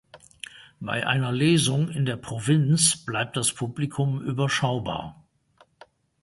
Bei einer Lesung in der Provinz bleibt das Publikum überschaubar.